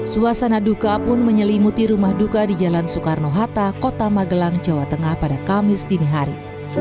suasana duka pun menyelimuti rumah duka di jalan soekarno hatta kota magelang jawa tengah pada kamis dinihari